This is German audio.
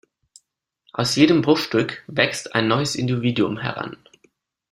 Aus jedem Bruchstück wächst ein neues Individuum heran.